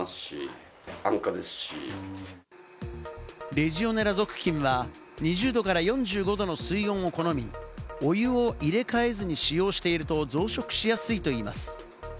レジオネラ属菌は２０度から４５度の水温を好み、お湯を入れ替えずに使用していると、増殖しやすいといいます。